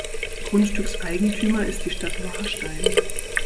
Grundstückseigentümer ist die Stadt Warstein.